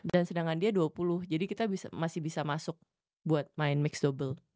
dan sedangkan dia dua puluh jadi kita masih bisa masuk buat main mix double